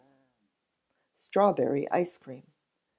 Strawberry Ice Cream.